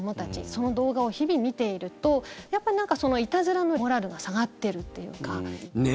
その動画を日々、見ているとやっぱりいたずらのモラルが下がってるっていうか。